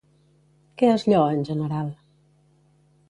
Què es lloa en general?